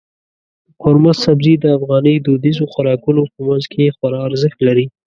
قورمه سبزي د افغاني دودیزو خوراکونو په منځ کې خورا ارزښت لري.